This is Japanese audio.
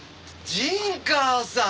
陣川さん！